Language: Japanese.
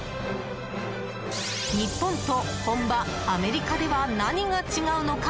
日本と本場アメリカでは何が違うのか？